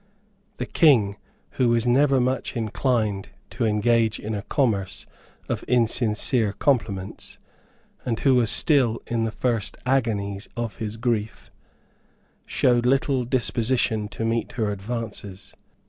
The King, who was never much inclined to engage in a commerce of insincere compliments, and who was still in the first agonies of his grief, showed little disposition to meet her advances.